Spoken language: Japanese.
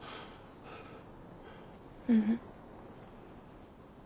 ううん。